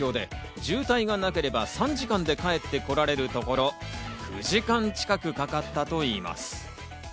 Ｕターンラッシュの影響で渋滞がなければ３時間で帰ってこられるところ、９時間近くかかったといいます。